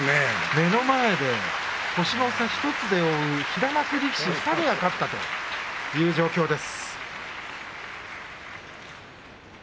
目の前で星の差１つで追う平幕力士２人が勝ったという状況です。